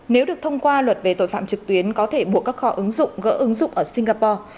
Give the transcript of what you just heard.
nếu được thông qua luật về tội phạm trực tuyến có thể buộc các kho ứng dụng gỡ ứng dụng ở singapore